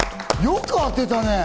よく当てたね！